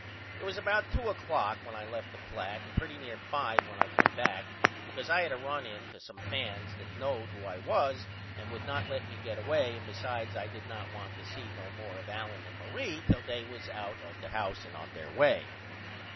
It was about 2 oclock when I left the flat and pretty near 5 when I come back because I had ran in to some fans that knowed who I was and would not let me get away and besides I did not want to see no more of Allen and Marie till they was out of the house and on their way.